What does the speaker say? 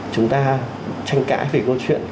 chúng ta tranh cãi về câu chuyện